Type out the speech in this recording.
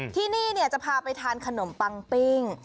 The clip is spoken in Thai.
ที่นี่จะพาไปทานขนมปังปิ้ง